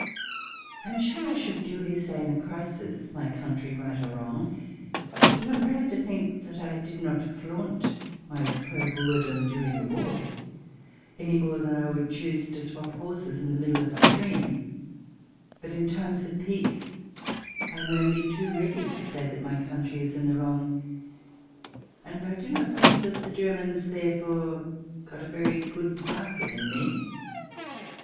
I am sure I should duly say in a crisis :" My country, right or wrong!" and I am glad to think I did not flaunt my Pro Boerdom during the war, any more than I would choose to " swap " horses in the middle of the stream But in time of peace CH. I] HOW ONE BECOMES AN ALIEN 5 I am only too ready to say that my country is in the wrong; and I do not think that the Germans, therefore, got a very good bargain in me.